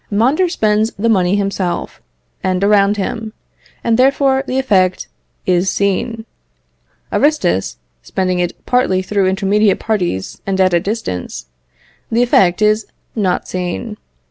Mondor spends the money himself, and around him, and therefore the effect is seen. Aristus, spending it partly through intermediate parties, and at a distance, the effect is not seen.